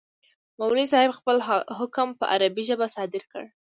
مولوي صاحب خپل حکم په عربي ژبه صادر کړ.